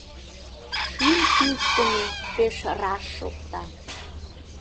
Шÿм кÿлткымö пеш раш шокта.